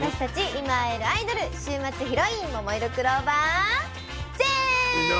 今会えるアイドル週末ヒロインももいろクローバーＺ！の高城れにです。